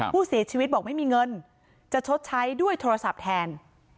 ผู้เสียชีวิตบอกไม่มีเงินจะชดใช้ด้วยโทรศัพท์แทน